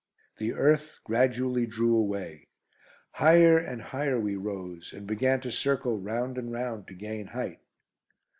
The earth gradually drew away. Higher and higher we rose, and began to circle round and round to gain height.